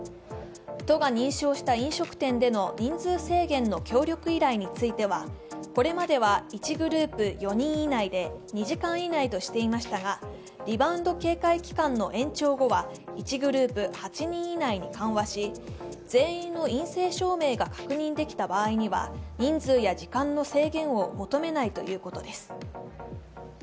都が認証した飲食店での人数制限の協力依頼についてはこれまでは１グループ４人以内で２時間以内としていましたがリバウンド警戒期間の延長後は１グループ８人以内に緩和し全員の陰性証明が確認できた場合には人数や時間の制限を求めないということです。